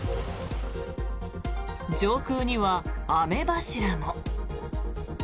上空には雨柱も。